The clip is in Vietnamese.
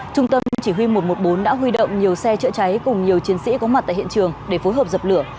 trung tâm chỉ huy một trăm một mươi bốn đã huy động nhiều xe chữa cháy cùng nhiều chiến sĩ có mặt tại hiện trường để phối hợp dập lửa